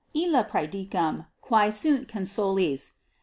Illa praedicam, quae sunt consulis.